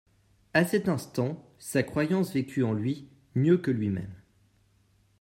A cet instant, sa croyance vécut en lui, mieux que lui-même.